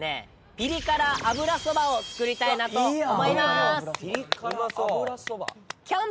ピリ辛油そばを作りたいなと思います！